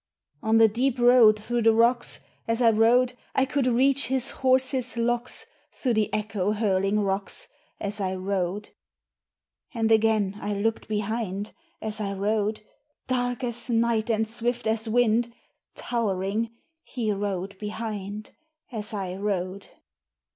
On the deep road through the rocks, As I rode, I could reach his horse's locks; Through the echo hurling rocks, As I rode. And again I looked behind, As I rode, Dark as night and swift as wind, Towering, he rode behind, As I rode.